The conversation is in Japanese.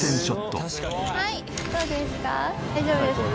はいどうですか？